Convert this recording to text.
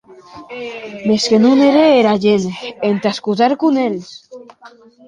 Mès que non ère era gent entà escotar conselhs!